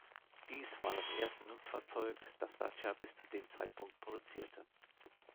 Dies war das erste Nutzfahrzeug, das Dacia bis zu dem Zeitpunkt produzierte.